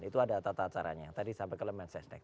itu ada tata acaranya tadi sampai kelemen sesnek